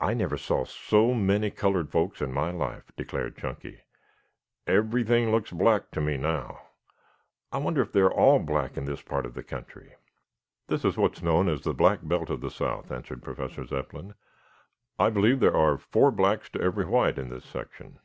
"I never saw so many colored folks in my life," declared Chunky. "Everything looks black to me now. I wonder if they are all black in this part of the country?" "This is what is known as the Black Belt of the South," answered Professor Zepplin. "I believe there are four blacks to every white in this section.